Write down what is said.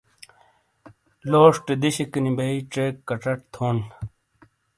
لوشٹے دیشیک نی بئی ڇیک کچٹ تھون۔